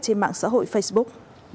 trên mạng xã hội facebook